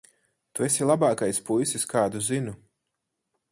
Tu esi labākais puisis, kādu zinu.